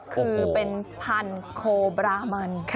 คือเป็นพันธุ์โคบรามัน